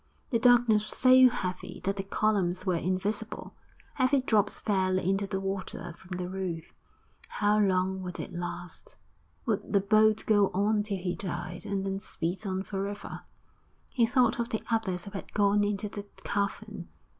The darkness was so heavy that the columns were invisible, heavy drops fell into the water from the roof. How long would it last? Would the boat go on till he died, and then speed on for ever? He thought of the others who had gone into the cavern.